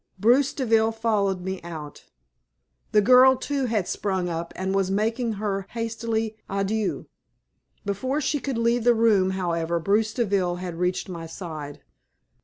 Bruce Deville followed me out. The girl too had sprung up, and was making her hasty adieux. Before she could leave the room, however, Bruce Deville had reached my side.